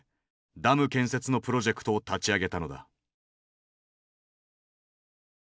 ダム建設のプロジェクトを立ち上げたのだ。